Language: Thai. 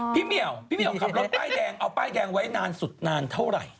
เหมียวพี่เหมียวขับรถป้ายแดงเอาป้ายแดงไว้นานสุดนานเท่าไหร่